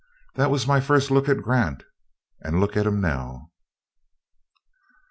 That was my first look at Grant, and look at him now!"